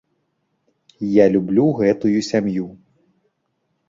Я люблю гэтую сям'ю.